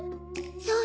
そうね。